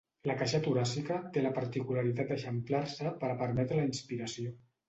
La caixa toràcica té la particularitat d'eixamplar-se per a permetre la inspiració.